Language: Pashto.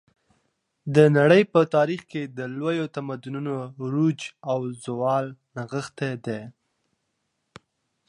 د نړۍ په تاریخ کې د لویو تمدنونو عروج او زوال نغښتی دی.